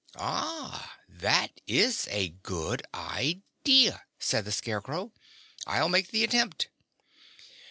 "Ah, that is a good idea," said the Scarecrow. "I'll make the attempt."